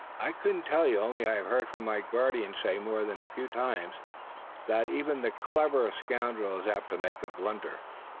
"I couldn't tell you, only I've heard my guardian say more than a few times that the cleverest scoundrel is apt to make a blunder.